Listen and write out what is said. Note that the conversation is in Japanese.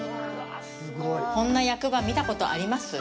こんな役場、見たことあります？